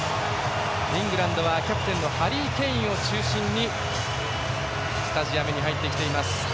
イングランドはキャプテンのハリー・ケインを中心にスタジアムに入ってきています。